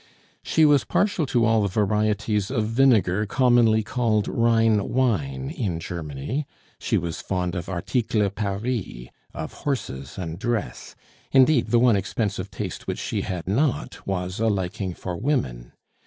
She was partial to all the varieties of vinegar commonly called Rhine wine in Germany; she was fond of articles Paris, of horses and dress; indeed, the one expensive taste which she had not was a liking for women.